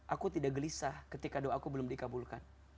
aku tidak gelisah ketika doaku belum dikabulkan